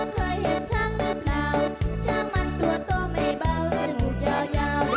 ช้างธ่างเคียงช้างน้องเพย์หันจังรึบาว